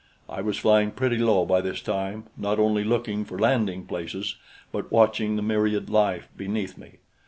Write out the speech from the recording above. I was flying pretty low by this time, not only looking for landing places but watching the myriad life beneath me.